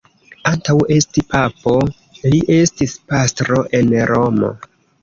Antaŭ esti papo, li estis pastro en Romo.